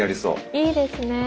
いいですね。